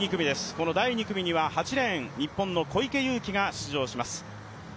この第２組には８レーン日本の小池祐貴が出場します。